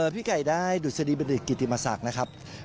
พี่ไก่ได้ดุษฎีบัณฑิตกิติมศักดิ์นะครับ